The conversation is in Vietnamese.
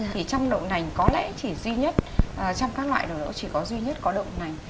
thì trong đậu nành có lẽ chỉ duy nhất trong các loại đậu nành chỉ có duy nhất có đậu nành